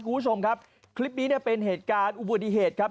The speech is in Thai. คุณผู้ชมครับคลิปนี้เนี่ยเป็นเหตุการณ์อุบัติเหตุครับ